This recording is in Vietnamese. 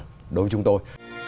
đối với chúng tôi